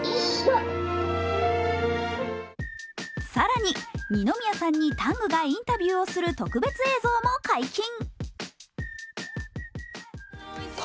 更に、二宮さんにタングがインタビューする特別映像も解禁。